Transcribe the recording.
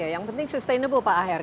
yang penting sustainable pak aher